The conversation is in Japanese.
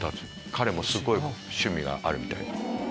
彼もすごい趣味があるみたい。